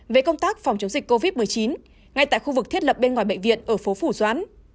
về công tác phòng chống dịch covid một mươi chín ngay tại khu vực thiết lập bên ngoài bệnh viện ở phố phủ doãn